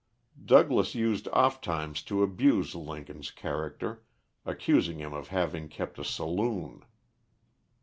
Douglas used oft times to abuse Lincoln's character, accusing him of having kept a saloon.